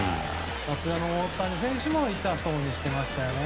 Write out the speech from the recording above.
さすがの大谷選手も痛そうにしていましたよね。